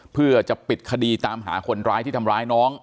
เพื่อจะปิดคดีตามหาคนร้ายที่ทำร้ายน้อง